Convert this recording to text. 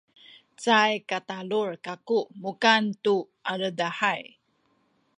cayay katalul kaku mukan tu aledahay